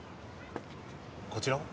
こちらは？